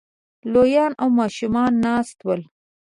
لويان او ماشومان ناست ول